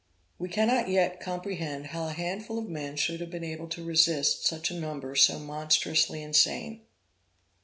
We cannot yet comprehend how a handful of men should have been able to resist such a number so monstrously insane.